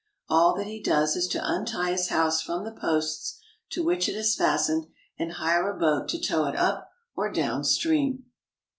All that he does is to untie his house from the posts to which it is fastened and hire a boat to tow it up or down stream.